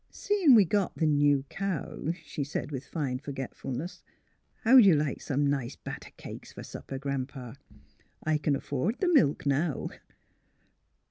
" Seein' we got the new cow," she said, with fine forgetfulness, " how'd you like some nice batter cakes fer supper. Gran 'pa? I c'n afford th' milk, now."